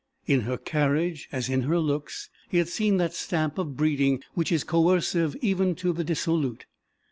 In her carriage as in her looks, he had seen that stamp of breeding which is coercive even to the dissolute.